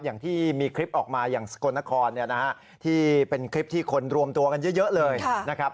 อย่างที่มีคลิปออกมาอย่างสกลนครที่เป็นคลิปที่คนรวมตัวกันเยอะเลยนะครับ